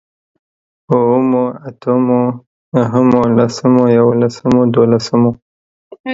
اوومو، اتمو، نهمو، لسمو، يوولسمو، دوولسمو